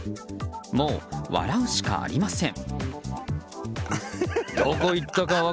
もう笑うしかありません。